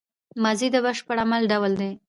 ماضي د بشپړ عمل ډول دئ.